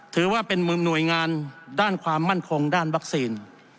ถือว่าเป็นมุมหน่วยงานด้านความมั่นคงด้านวัคซีน